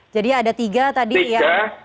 jadi ada tiga tadi ya